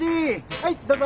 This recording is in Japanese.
はいどうぞ。